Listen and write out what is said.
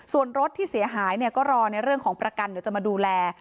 ส่วนรถที่เสียหายก็รอในเรื่องของประกันเดี๋ยวจะมาดูแล